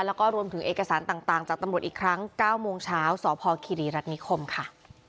แล้วก็รวมถึงเอกสารต่างจากตำรวจอีกครั้ง๙โมงเช้าสพคิรีรัฐนิคมค่ะ